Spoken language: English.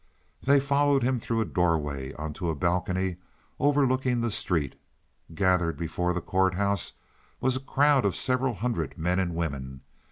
They followed him through a doorway on to a balcony, overlooking the street. Gathered before the court house was a crowd of several hundred men and women.